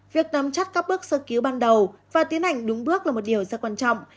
việc nắm chắc các bước sơ cứu ban đầu và tiến hành đúng bước là một điều rất quan trọng